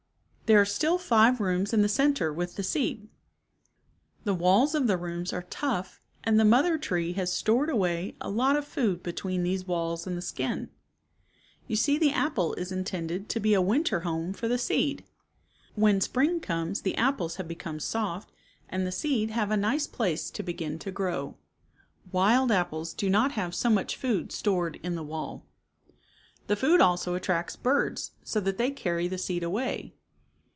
There are still five rooms in the center with the seed. The walls of the rooms are tough, and the mother tree has stored away a lot of food between these walls and the skin. You see the apple is intended to be a winter home for the seed. When spring comes the apples have become soft and the seed have a nice place to begin to grow. Wild apples do not have so much food stored in the wall. The food also attracts birds, so that they carry the seed away.